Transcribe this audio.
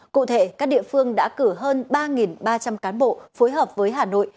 cụ thể các địa phương đã cử hơn ba ba trăm linh cán bộ phối hợp với hà nội